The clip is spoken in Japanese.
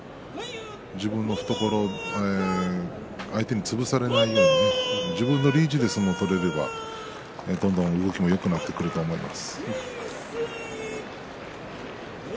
自分の懐相手に潰されないように自分のリーチで相撲を取ればどんどん動きもよくなってくると思います。